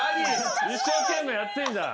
一生懸命やってんじゃん。